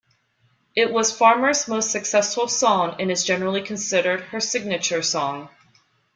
It was Farmer's most successful song and is generally considered her signature song.